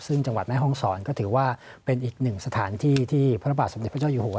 ซึ่งจังหวัดแม่ห้องศรก็ถือว่าเป็นอีกหนึ่งสถานที่ที่พระบาทสมเด็จพระเจ้าอยู่หัว